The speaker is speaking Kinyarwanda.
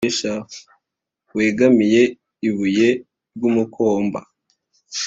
Wegamiye ibuye ryumukomba